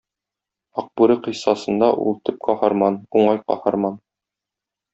"Акбүре" кыйссасында ул төп каһарман, уңай каһарман.